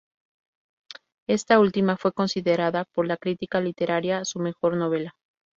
Esta última fue considerada por la crítica literaria su mejor novela.